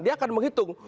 dia akan menghitung